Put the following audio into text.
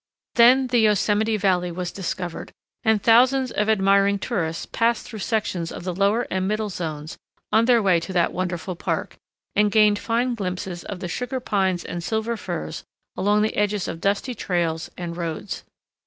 Then the Yosemite Valley was discovered, and thousands of admiring tourists passed through sections of the lower and middle zones on their way to that wonderful park, and gained fine glimpses of the Sugar Pines and Silver Firs along the edges of dusty trails and roads.